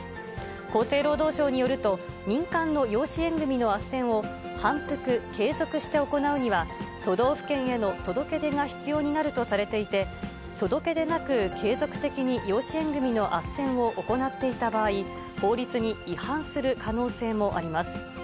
厚生労働省によると、民間の養子縁組のあっせんを、反復、継続して行うには、都道府県への届け出が必要になるとされていて、届け出なく、継続的に養子縁組のあっせんを行っていた場合、法律に違反する可能性もあります。